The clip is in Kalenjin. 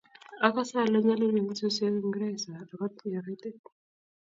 okose ale nyoliil suswek eng Uingereza akot ya kaitit